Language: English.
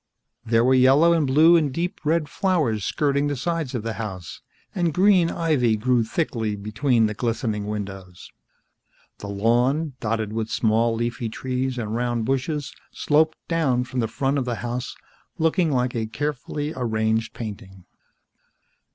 There were yellow and blue and deep red flowers, skirting the sides of the house, and green ivy grew thickly between the glistening windows. The lawn, dotted with small leafy trees and round bushes, sloped down from the front of the house, looking like a carefully arranged painting.